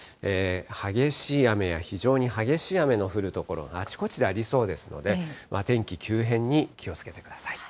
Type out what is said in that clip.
激しい雨や非常に激しい雨の降る所、あちこちでありそうですので、天気急変に気をつけてください。